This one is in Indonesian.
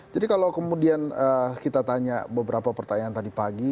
jadi kalau kemudian kita tanya beberapa pertanyaan tadi pagi